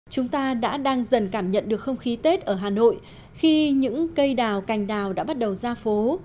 chúng ta đã đang dần cảm nhận được không khí tết ở hà nội khi những cây đào cành đào đã bắt đầu ra phố